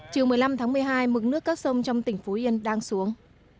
chiều một mươi năm tháng một mươi hai mực nước các sông trong tỉnh phú yên đang xuống